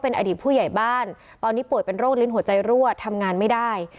อดีตผู้ใหญ่บ้านตอนนี้ป่วยเป็นโรคลิ้นหัวใจรั่วทำงานไม่ได้